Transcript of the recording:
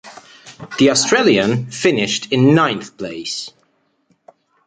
The Australian finished in ninth place.